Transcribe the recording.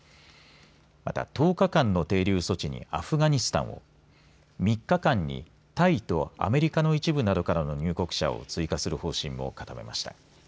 また１０日間の停留措置にアフガニスタンを３日間にタイとアメリカの一部などからの入国者を追加する方針を固めました。